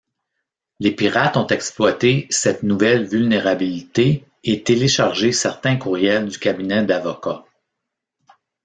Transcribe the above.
Les pirates ont exploité cette nouvelle vulnérabilité et téléchargé certains courriels du cabinet d'avocats.